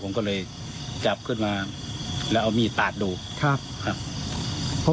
ผมก็เลยจับขึ้นมาแล้วเอามีดปาดดูครับครับ